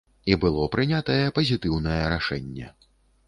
І было прынятае пазітыўнае рашэнне.